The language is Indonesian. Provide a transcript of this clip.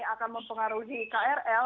akan mempengaruhi krl